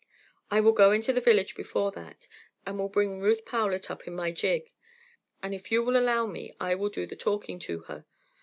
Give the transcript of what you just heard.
I will go into the village before that, and will bring Ruth Powlett up in my gig, and if you will allow me I will do the talking to her.